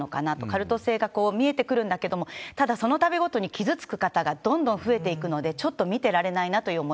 カルト性が見えてくるんだけれども、ただ、そのたびごとに傷つく方がどんどん増えていくので、ちょっと見てそうですね。